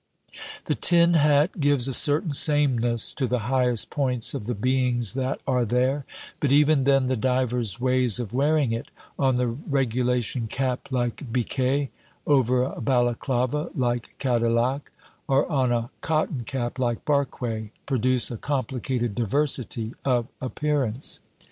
The "tin hat" gives a certain sameness to the highest points of the beings that are there, but even then the divers ways of wearing it on the regulation cap like Biquet, over a Balaklava like Cadilhac, or on a cotton cap like Barque produce a complicated diversity of appearance.